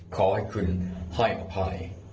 ขอให้คุณห้อยอภัย